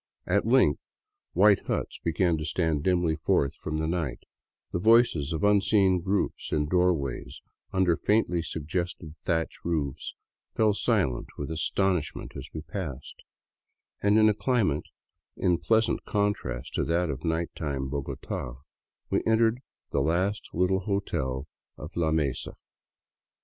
At length white huts be gan to stand dimly forth from the night; the voices of unseen groups in the doorways under faintly suggested thatch roofs fell silent with astonishment as we pass, ed; and in a climate* in pleasant contrast to that of night time Bogota we entered at last the little hotel of La Mesa.